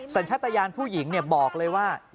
จนชาตญานผู้หญิงเนี่ยบอกเลยว่า